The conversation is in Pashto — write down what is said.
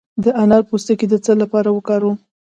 د انار پوستکی د څه لپاره وکاروم؟